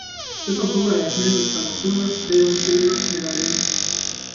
Seda suve jääb meenutama kullast teemantidega medaljon.